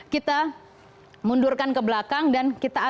kita mundurkan ke belakang dan kita akan